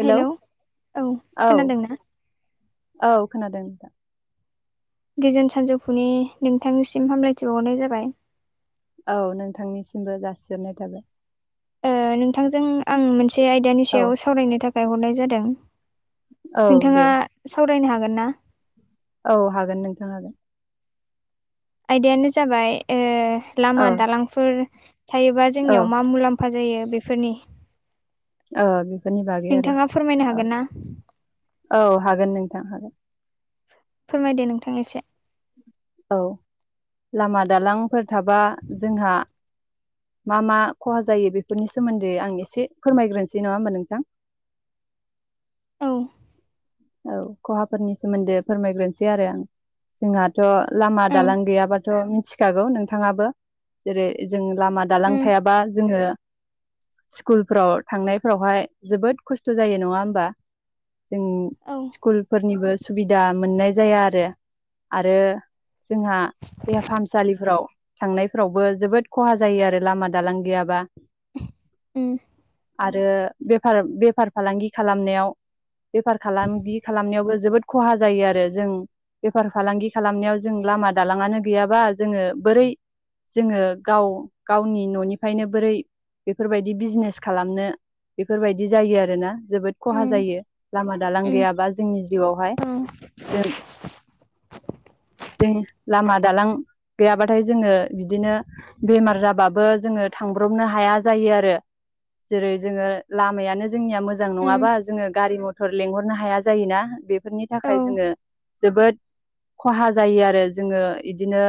हेल' hello औ औ खोनादों नोंथां गोजोन सानजौफुनि नोंथांनिसिम हामलायथि बावहरनाय जाबाय औ नोंथांनिसिमबो जासिहरनाय थाबाय ओ नोंथांजों आं मोनसे आयदानि औ सायाव सावरायनो थाखाय हरनाय जादों औ दे नोंथाङा सावरायनो हागोन ना औ हागोन नोंथां हागोन आयदायानो जाबाय लामा औ दालांफोर थायोबा औ जोंनियाव मा मुलाम्फा फा जायो बेफोरनि ओ बेफोरनि बागै आरो नोंथाङा फोरमायनो औ हागोन ना औ हागोन नोंथां हागोन फोरमायदो नोंथां एसे औ लामा दालांफोर थाबा जोंहा मा मा खहा जायो बेफोरनि सोमोन्दै आं एसे फोरमायग्रोनोसै नङा होमब नोंथां औ औ खहाफोरनि सोमोन्दै फोरमायग्रोनोसै आरो आं जोंहाथ' लामा ओं दालां गैयाबाथ' मिथिखागौ नोंथाङाबो जेरै जों लामा दालां उम थायाबा जोङो स्कुलफ्राव थांनायफ्रावहाय जोबोद खस्थ' जायो नङा होमबा? जों औ स्कुलफोरनिबो सुबिदा मोननाय जाया आरो आरो जोंहा देहा फाहामसालिफ्राव थांनायफोरावबो जोबोद खहा जायो आरो लामा दालां गैयाबा। उ आरो बेफार बेफार फालांगि खालामनायाव बेफार खालाम बि खालामनायावबो जोबोद खहा जायो आरो जों बेफार फालांगि खालामनायाव जों लामा दालाङानो गैयाबा जोङो बोरै जोङो गाव गावनि न'निफ्रायनो बोरै बेफोरबायदि बिजनेस खालामनो बेफोरबायदि जायो आरो ना। जोबोद खहा उम जायो लामा दालां उम गैयाबा जोंनि जिउआवहाय औ जों [inaudible] जों लामा दालां गैयाबाथाय जोङो बिदिनो बेमार जाबाबो जोङो थांब्रबनो हाया जायो आरो जेरै जोङो लामायानो जोंनिया मोजां उम नङाबा जोङो गारि मथर लेंहरनो हाया जायोना बे फोरनि औ थाखाय जोङो जोबोद खहा जायो आरो। जोङो इदिनो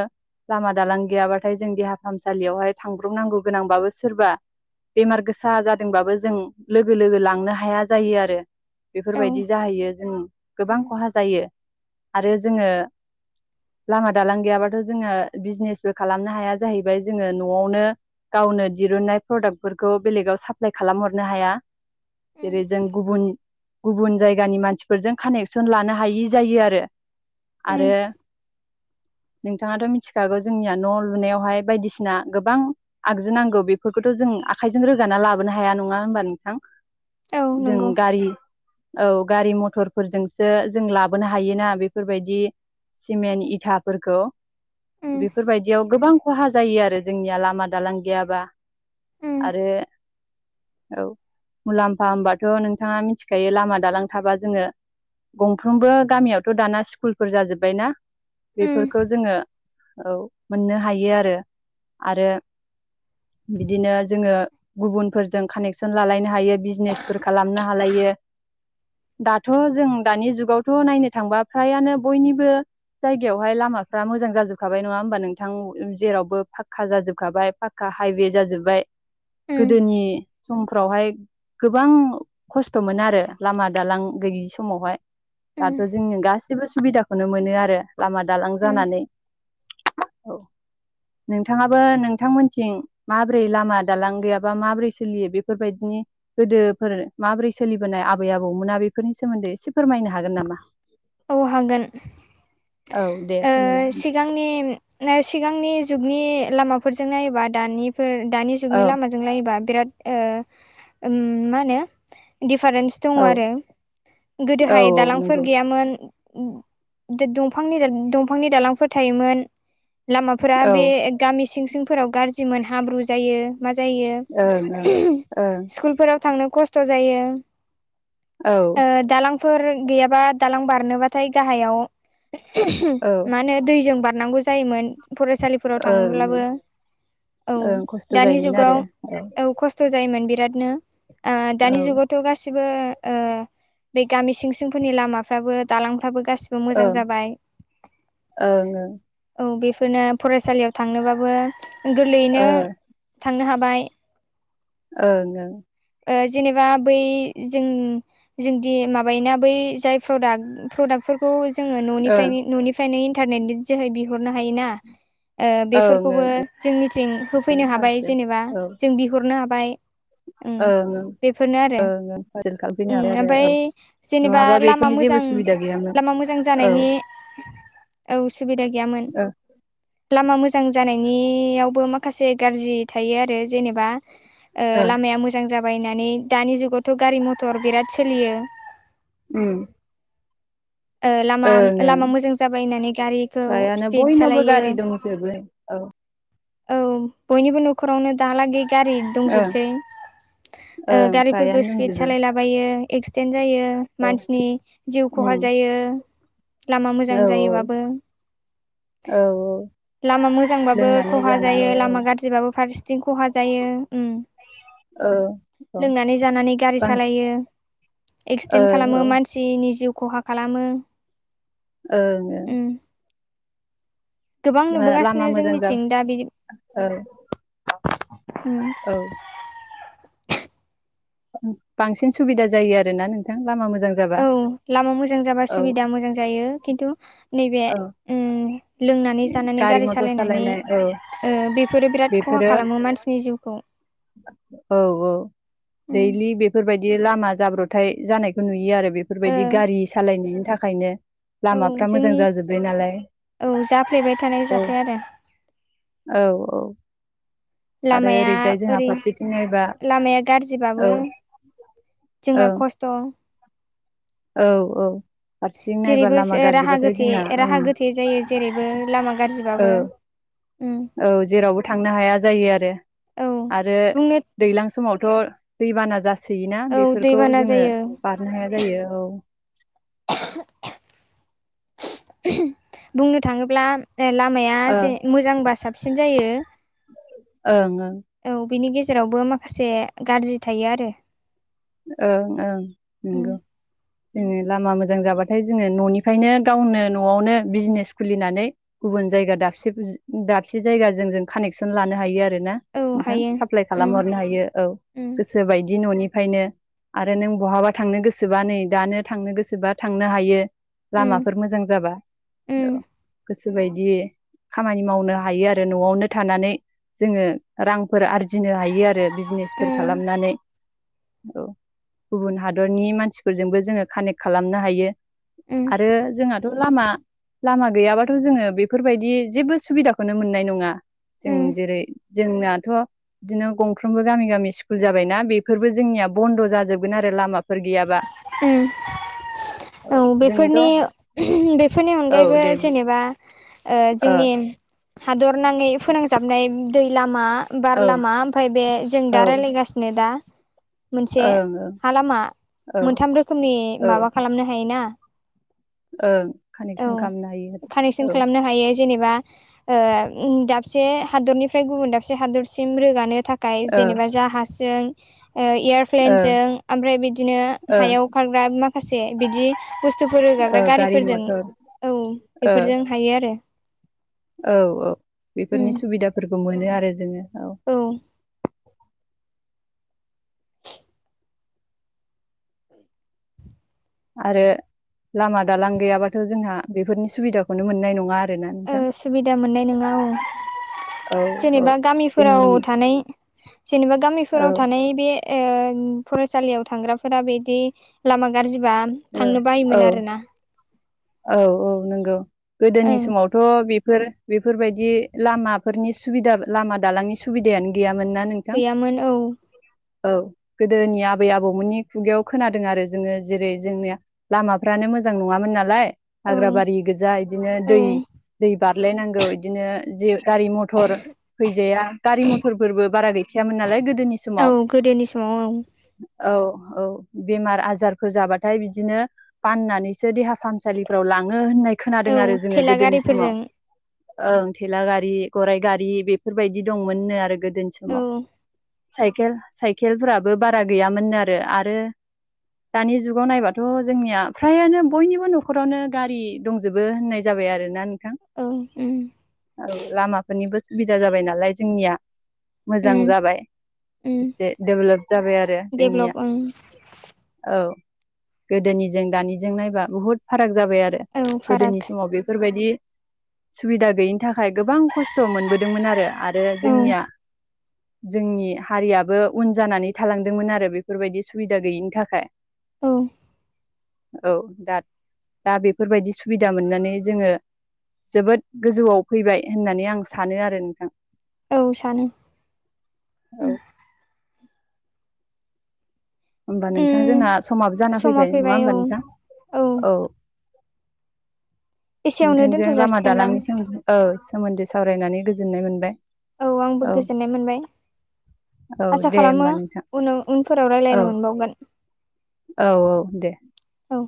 लामा दालां गैयाबाथाय जों देहा फाहामसालियावहाय थांब्रबनांगौ गोनांबाबो सोरबा बेमार गोसा जादोंबाबो जों लोगो लोगो लांनो हाया जायो आरो औ बेफोरबायदि जाहैयो जों गोबां उम खहा जायो आरो जोङो लामा दालां गैयाबाथ' जोङो बिजनेसबो खालामनो हाया जाहैबाय जोङो न'आवनो गावनो दिरुननाय प्रडाक्टफोरखौ बेलेगाव साप्लाइ खालामहरनो हाया। उम जेरै जों गुबुन गुबुन जायगानि मानसिफोरजों कानेक्सन लानो हायि जायो आरो। आरो उम [inaudible] नोंथाङाथ' मिथिखागौ जोंनिया न' लुनायावहाय बायदिसिना गोबां आगजु नांगौ बेफोरखौथ' जों आखाइजों रोगाना लाबोनो हाया नङा होनोमबा नोंथां? औ जों नंगौ गारि औ गारि मथरफोरजोंसो जों लाबोनो हायोना बेफोरबायदि सिमेन्ट इथाफोरखौ उम बेफोरबायदियाव गोबां खहा जायो आरो जोंनिया लामा दालां गैयाबा उम आरो औ मुलाम्फा होमबाथ' नोंथाङा मिथि खायो लामा दालां थाबा जोङो गंफ्रोमबो गामियावथ' दाना स्कुलफोर जाजोबबायना उम बेफोरखौ जोङो औ मोननो हायो आरो आरो बिदिनो जोङो गुबुनफोरजों कानेक्सन लालायनो हायो बिजनेसफोर खालामनो हालायो दाथ' जों दानि जुगावथ' नायनो थांबा फ्रायानो बयनिबो जायगायावहाय लामाफ्रा मोजां जाजोबखाबाय नङा होमबा नोंथां जेरावबो फाक्का जाजोबखाबाय फा खा हाइवे जाजोबबाय। उम गोदोनि समफ्रावहाय गोबां खस्थ'मोन आरो लामा दालां गैयि समावहाय उम दाथ' जोंनि गासिबो सुबिदाखौनो मोनो आरो लामा दालां उम जानानै। औ [inaudible] नोंथाङाबो नोंथांमोनथिं माबोरै लामा दालां गैयाबा माबोरै सोलियो बेफोरबायदिनि गोदोफोर माबोरै सोलिबोनाय आबै आबौमोना बेफोरनि सोमोन्दै एसे फोरमायनो हागोन नामा? औ हागोन। औ दे ओ फोरमायना सिगां आंनि सिगांनि जुगनि लामाफोरजों नायोबा दानिफोर दानि जुगनि औ लामाजों जों नायोब्ला बेयाव ओ ओम मा होनो दिपारेन्स दङ औ आरो। गोदोहाय औ नंगौ दालांफोर गैयामोन। दंफांनि दंफांनि दालांफोर थायोमोन। लामाफोरा औ बे गामि सिं सिंफोराव गाज्रिमोन हाब्रु जायो मा ओं ओं ओं जायो स्कुलफोराव थांनो खस्थ' जायो औ ओ दालांफोर गैयाबा दालां बारनोबाथाय गाहायाव औ मा होनो दैजों बारनांगौ जायोमोन। फरायसालिफोराव थाङोब्लाबो ओं औ ओं खस्थ' दानि जायोमोन जुगाव आरो औ खस खस्थ' जायोमोन बिरादनो। ओ औ दानि ओं जुगाव थ' गासिबो ओ बे गामि सिं सिंफोरनि लामाफ्राबो दालांफ्राबो गासिब बे मोजां ओं जाबाय। ओं ओं औ बेफोरनो फरायसालियाव थांनोबाबो गोरलैयैनो ओं थांनो हाबाय। ओं ओं। ओ जेनेबा बै जों जोंदि माबायोना बै जाय प्रडाक्ट प्रडाक फोरफोरखौ जोङो न'निफ्राय ओं न'निफ्रायनो इन्टारनेटनि जोहै बिहरनो हायोना। ओ ओं ओं बेफोरखौबो जों मिथिं ओं होफैनो हाबाय फारसे जेनेबा औ जों बिहरनो हाबाय। उम ओं ओं बेफोरनो आरो ओं ओं फारसेल खालामफैनो उम हाबाय ओमफ्राय आरो औ जेनेबा नङाबा लामा बेफोरनि जेबो मोजां सुबिदा गैयामोन लामा मोजां औ ओ जानायनि औ सुबिदा गैयामोन। लामा मोजां जानायनियावबो माखासे गाज्रि थायो आरो जेनेबा। ओ लामाया मोजां जाबाय होननानै दानि जुगावथ' गारि मथर बिराद सोलियो। उम। ओ लामा ओं ओं लामा मोजां जाबाय होननानै गारिखौ फ्रायानो स्पिड बयनावबो सालायो। गारि दंजोबो औ औ बयनिबो न'खरावनो दालागै गारि ओं दंजोबसै। ओ ओं गारिफोरखौ फ्रायानो स्पि दंजोबो सायला बायो एकसिदेन जायो। औ मानसिनि जिउ खहा उम जायो लामा मोजां औ जायोबाबो। औ लामा मोजांबाबो लोंनानै खहा जायो जानानै औ लामा गाज्रिबाबो फार्से थिं खहा जायो। औ औ लोंनानै जानानै गारि बां सालायो औ एक्सिडेन्ट खालामो ओं मानसि जिनि जिउ खहा खालामो। ओं। उम गोबां लामा नुबोगासिनो मोजां जा जोंनिथिं दा बि औ उम औ। बांसिन सुबिदा जायो आरोना नोंथां लामा मोजां जाबा? औ लामा मोजां जाबा औ सुबिदा मोजां जायो खिन्थु नैबे औ उम लोंनानै जानानै गारि मथर सालायनानै सालायनाय औ ओ बेफोरो बिराद खहा बेफोरो खालामो मानसिनि जिउखौ। औ औ। उम दैलि बेफोरबायदि लामा जाब्रथाय जानायखौ नुयो आरो ओ बेफोरबायदि गारि सालायनायनि थाखायनो। औ लामाफ्रा मोजां जोंनि जाजोब्बाय नालाय। औ जाफ्लेबाय थानाय औ जाथाय आरो औ औ आरो लामाया ओरैजाय जोंहा ओरै फारसेथिं नायबा लामाया गाज्रि्रिबाबो औ जोंहा ओं खस्थ'। औ औ। फारसेथिं नायबा जेरैबो लामा राहा गाज्रिबाथाय गोथे जोंना ओ राहा गोथे जायो जेरैबो लामा गाज्रिबाबो ओं। उम औ जेरावबो थांनो हाया जायो आरो औ आरो बुंनो दैज्लां समाव थ' दैबाना जासोयोना औ बेफोरखौ दैबाना जोङो जायो बारनो हाया जायो। औ बुंनो थाङोब्ला ए लामाया ओ जे मोजांबा साबसिन जायो ओं ओं औ बिनि गेजेरावबो माखासे गाज्रि थायो आरो ओं ओं उम नंगौ जोङो लामा मोजां जाबाथाय जोङो न'निफ्रायनो गावनो न'आवनो बिजनेस खुलिनानै गुबुन जायगा दाबसे दाबसे जायगाजों जों कानेक्सन लानो हायो आरो ना? औ नोंथां हायो साप्लाय उम खालामहरनो हायो औ उम गोसोबायदि न'निफ्रायनो। आरो नों बहाबा थांनो गोसोबा नै दानो थांनो गोसोबा थांनो हायो। उम लामाफोर मोजां जाबा औ उम गोसो बेबायदि खामानि मावनो हायो आरो न'आवनो थानानै जोङो रांफोर आरजिनो हायो आरो बिजनेसफोर उम खालामनानै औ गुबुन हादरनि मानसिफोरजोंबो जोङो कानेक्ट खालामनो हायो उम आरो जोंहा थ' लामा लामा गैयाबाथ' जोङो बेफोरबायदि जेबो सुबिदाखौनो मोननाय नङा जों उम जेरै जोंनाथ' बिदिनो गंफ्रोमबो गामि गामि स्कुल जाबायना बेफोरबो जोंनिया बन्द' जाजोबगोन आरो लामा उम औ जोंथ' बेफोरनि बेफोरनि औ अनगायैबो दे ओ जेनेबा ओ औ जोंनि हादर नाङै फोनांजाबनाय दै लामा, बार औ लामा ओमफाय बे जों दा ओं रायलायगास नो दा मोनसे ओं हा लामा औ मोनथाम रोखोमनि औ माबा खालामनो हायोना ओं औ कानेक्सन खालामनो हायो कानेक्सन औ ओ खालामनो हायो जेनेबा ओ उम दाबसे हादरनिफ्राय गुबुन दाबसे हादरसिम रोगानो थाख खाय जेनेबा जाहाजजों ओ ओ एयारप्लेनजों आमफ्राय बिदिनो ओ हायाव खारग्रा माखासे बिदि बुस्थुफोर ओ रोगाग्रा गारि गारिफोरजों मथर औ ओ बेफोरजों हायो आरो औ औ उम बेफोरनि सुबिदाफोरखौ मोनो आरो जोङो औ औ आरो लामा दालां गैयाबाथ' जोंहा बेफोरनि सुबिदाखौनो मोननाय नङा आरोना ओ नोंथां सुबिदा मोननाय नोङा औ औ औ जेनेबा गामिफोराव जोंनि थानाय जेनेबा औ गामिफोराव थानाय बे ओ फरायसालियाव थांग्राफोरा बिदि लामा गाज्रिबा थांनो औ बायोमोन आरोना औ औ नंगौ गोदोनि ओं समाव थ' बेफोर बेफोरबायदि लामाफोरनि सुबिदा लामा दालांनि सुबिदायानो गैयामोन ना नों गैयामोन औ औ गोदोनि आबै आबौमोननि खुगायाव खोनादों आरो जोङो जेरै जोंनि लामाफ्रानो मोजां नङामोन नालाय औ हाग्राबारि गोजा बिदिनो औ दै दै बारलायनांगौ बिदिनो जि गारि मथर फैजाया गारि मथरफोरबो बारा गैखायामोन नालाय गोदोनि औ समाव गोदोनि समाव औ औ औ बेमार आजारफोर जाबा थाय बिदिनो बाननानैसो देहा फाहामसालिफ्राव लाङो होननाय औ खोनादों आरो जोङो थेला गोदोनि गारिफोरजों समाव ओं थेला गारि, गराइ गारि बेफोरबायदि दंमोननो आरो गोदोनि औ समाव साइकेल साइकेलफोराबो बारा गैयामोननो आरो आरो दानि जुगाव नायबाथ' जोंनिया फ्रायानो बयनिबो न'खरावनो गारि दंजोबो होननाय जाबाय आरोना नोंथां औ ओम लामाफोरनिबो सुबिदा जाबाय नालाय जोंनिया मोजां उम जाबाय उम एसे डेभेलप जाबाय आरो जोंनिया डेभलप ओं औ गोदोनिजों दानिजों नायबा बुहुद फाराग जाबाय आरो औ गोदोनि फाराग समाव बेफोरबायदि सुबिदा गैयिनि थाखाय गोबां खस्थ' मोनबोदोंमोन आरो आरो औ जोंनिया जोंनि हारियाबो उन जानानै थालांदोंमोन आरो बेफोरबायदि सुबिदा गैयिनि थाखाय औ औ दा दा बेफोरबायदि सुबिदा मोननानै जोङो जोबोद गोजौआव फैबाय होननानै आं सानो आरो नोंथां औ सानो औ होमबा नोंथां उम जोंना समाबो जाना समा फैबाय नङा औ होमबा नोंथां औ एसेयावनो नोंथांजों दोनथ' लामा जासिगोनदां दालांनि सो औ सोमोन्दै सावरायनानै गोजोननाय मोनबाय। औ आंबो गोजोननाय मोनबाय औ आसा दे खालामो होमबा नोंथां उनाव उनफोराव औ रायलायनो मोनबावगोन। औ औ दे औ